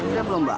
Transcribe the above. udah belum mbak